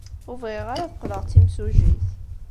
Ur bɣiɣ ara ad qqleɣ d timsujjit.